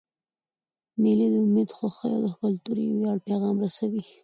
مېلې د امید، خوښۍ، او کلتوري ویاړ پیغام رسوي.